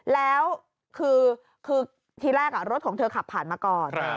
แล้วคือทีแรกรถของเธอขับผ่านมาก่อน